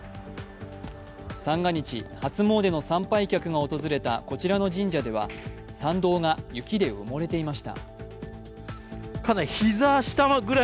三が日、初詣の参拝客が訪れたこちらの神社では参道が雪で埋もれていました。